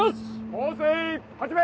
放水始め！